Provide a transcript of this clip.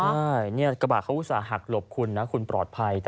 ใช่นี่กระบะเขาอุตส่าหักหลบคุณนะคุณปลอดภัย